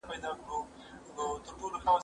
زه مخکي سبزیحات وچولي وو!؟